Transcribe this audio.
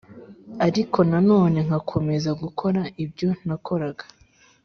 ariko na none nkakomeza gukora ibyo nakoraga